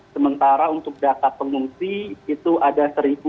sementara untuk data pengungsi itu ada satu dua ratus